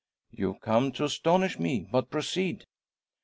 "You've come to astonish me! But proceed!"